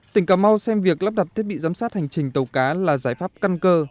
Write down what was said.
tỉnh cà mau xem việc lắp đặt thiết bị giám sát hành trình tàu cá là giải pháp căn cơ